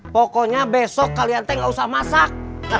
pokoknya besok kalian teh gak usah masak